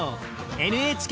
ＮＨＫ